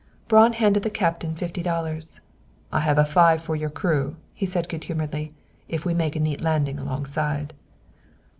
Braun handed the Captain fifty dollars. "I have a five for your crew," he said, good humoredly, "if we make a neat landing alongside."